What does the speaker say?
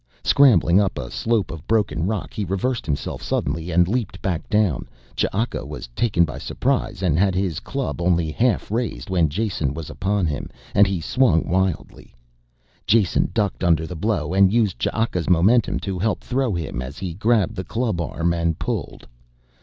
Scrambling up a slope of broken rock he reversed himself suddenly and leaped back down. Ch'aka was taken by surprise and had his club only half raised when Jason was upon him, and he swung wildly. Jason ducked under the blow and used Ch'aka's momentum to help throw him as he grabbed the club arm and pulled.